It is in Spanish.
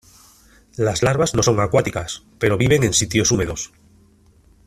Las larvas no son acuáticas, pero viven en sitios húmedos.